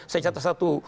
saya catat satu